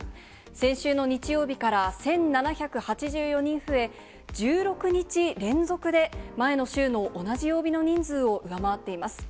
先週の日曜日から１７８４人増え、１６日連続で前の週の同じ曜日の人数を上回っています。